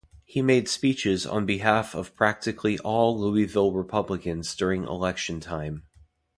He made speeches on behalf of practically all Louisville Republicans during election time.